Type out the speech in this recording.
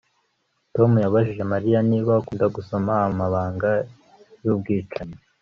Tom yabajije Mariya niba akunda gusoma amabanga yubwicanyi